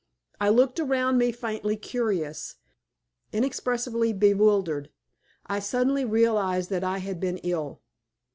I looked around me faintly curious, inexpressibly bewildered; I suddenly realized that I had been ill.